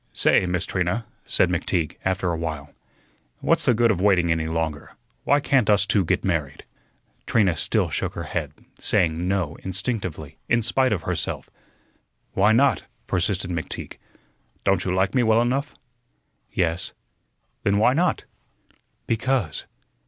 "Say, Miss Trina," said McTeague, after a while, "what's the good of waiting any longer? Why can't us two get married?" Trina still shook her head, saying "No" instinctively, in spite of herself. "Why not?" persisted McTeague. "Don't you like me well enough?" "Yes." "Then why not?" "Because."